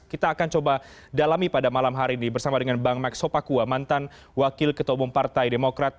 kita akan coba dalami pada malam hari ini bersama dengan bang max sopakua mantan wakil ketua umum partai demokrat